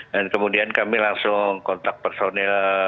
dan kemudian kami langsung kontak personil